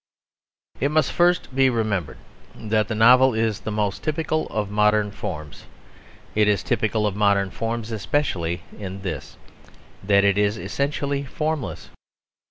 It must first be remembered that the novel is the most typical of modern forms. It is typical of modern forms especially in this, that it is essentially formless.